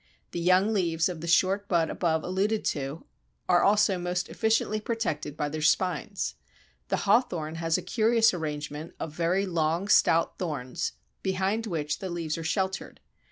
The young leaves of the short bud above alluded to are also most efficiently protected by their spines. The Hawthorn has a curious arrangement of very long stout thorns, behind which the leaves are sheltered.